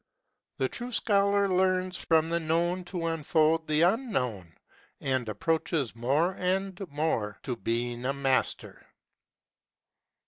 The true scholar learns from the known to unfold the un known, and approaches more and more to being a master.